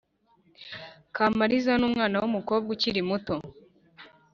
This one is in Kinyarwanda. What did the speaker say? kamariza ni umwana w’umukobwa ukiri muto